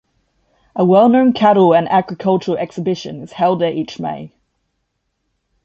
A well-known cattle and agricultural exhibition is held there each May.